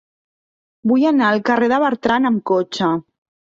Vull anar al carrer de Bertran amb cotxe.